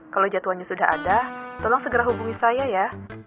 kalau jadwalnya sudah ada tolong segera hubungi saya ya